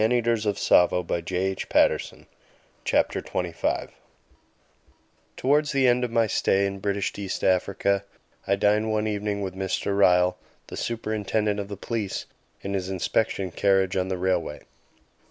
CHAPTER XXV A MAN EATER IN A RAILWAY CARRIAGE Towards the end of my stay in British East Africa, I dined one evening with Mr. Ryall, the Superintendent of the Police, in his inspection carriage on the railway.